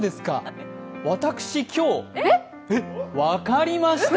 私今日、分かりました。